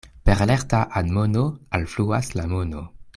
Per lerta admono alfluas la mono.